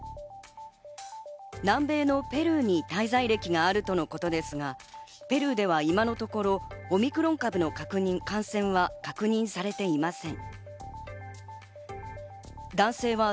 南米のペルーに滞在歴があるとのことですが、ペルーでは今のところオミクロン株の感染は確認されていません。